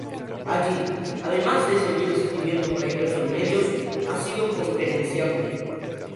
Allí, además de seguir escribiendo para diversos medios, ha sido conferenciante.